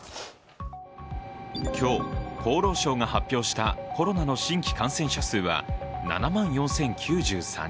今日、厚労省が発表したコロナの新規感染者数は７万４０９３人。